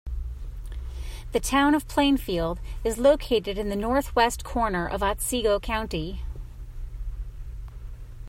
The Town of Plainfield is located in the northwest corner of Otsego County.